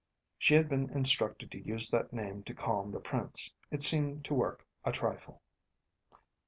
She had been instructed to use that name to calm the prince. It seemed to work a trifle.